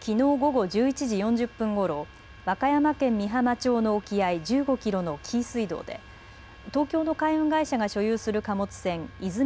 きのう午後１１時４０分ごろ和歌山県美浜町の沖合１５キロの紀伊水道で東京の海運会社が所有する貨物船いずみ